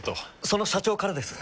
その社長からです。